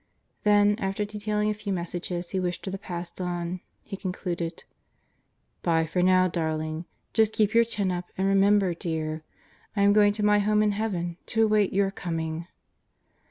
Then after detailing a few messages he wished her to pass on, he concluded: Bye for now, Darling. Just keep your chin up and remember, Dear ... I am going to my home in heaven to await your coming.